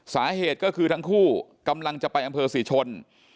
สาเหตุก็คือทั้งคู่กำลังจะไปอำเภอศรีชน